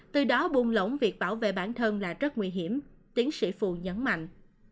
từ đó buông lỏng việc bảo vệ bản thân là rất nguy hiểm tiến sĩ phù nhấn mạnh